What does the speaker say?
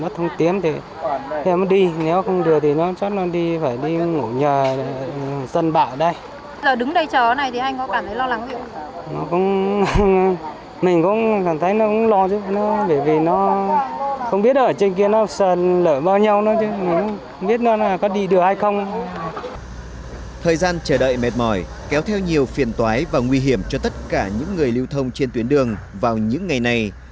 thời gian chờ đợi mệt mỏi kéo theo nhiều phiền toái và nguy hiểm cho tất cả những người lưu thông trên tuyến đường vào những ngày này